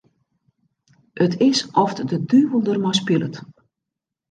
It is oft de duvel dermei spilet.